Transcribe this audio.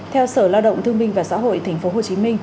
theo sở lao động thương minh và xã hội tp hcm